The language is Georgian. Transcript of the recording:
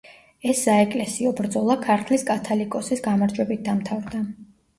ეს საეკლესიო ბრძოლა ქართლის კათალიკოსის გამარჯვებით დამთავრდა.